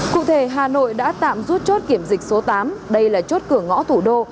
cụ thể hà nội đã tạm rút chốt kiểm dịch số tám đây là chốt cửa ngõ thủ đô